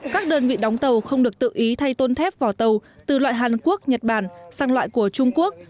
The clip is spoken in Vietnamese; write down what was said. các đơn vị đóng tàu không được tự ý thay tôn thép vào tàu từ loại hàn quốc nhật bản sang loại của trung quốc